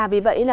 vì vậy là